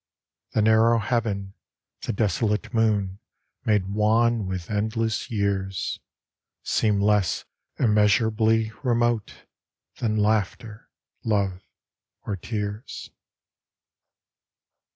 The narrow heaven, the desolate moon Made wan with endless years, Seem less immeasurably remote Than laughter, love, or tears.